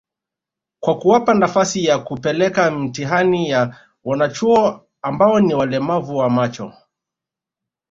kwa kuwapa nafasi ya kupeleka mtihani ya wanachuo ambao ni walemavu wa macho